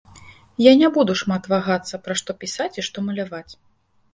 Я не буду шмат вагацца, пра што пісаць і што маляваць.